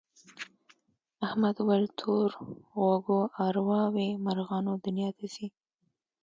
احمد وویل تور غوږو ارواوې مرغانو دنیا ته ځي.